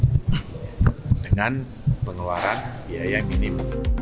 ya dengan pengeluaran biaya yang minim